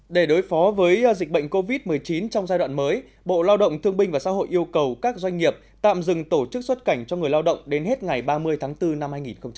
để đối phó với dịch bệnh covid một mươi chín trong giai đoạn mới bộ lao động thương binh và xã hội yêu cầu các doanh nghiệp tạm dừng tổ chức xuất cảnh cho người lao động đến hết ngày ba mươi tháng bốn năm hai nghìn hai mươi